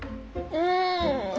うん！